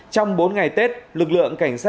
trong bốn ngày tết lực lượng cảnh sát